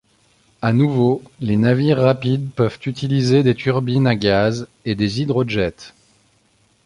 À nouveau, les navires rapides peuvent utiliser des turbines à gaz et des hydrojets.